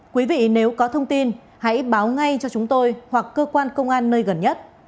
quý vị nếu có thông tin hãy báo ngay cho chúng tôi hoặc cơ quan công an nơi gần nhất